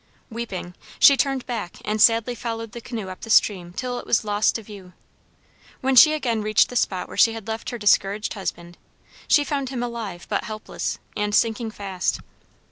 Weeping, she turned back and sadly followed the canoe up the stream till it was lost to view. When she again reached the spot where she had left her discouraged husband, she found him alive but helpless, and sinking fast.